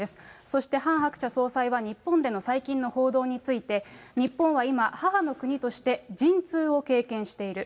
そしてハン・ハクチャ総裁は、日本での最近の報道について、日本は今、母の国として陣痛を経験している。